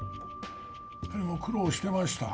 彼も苦労してました。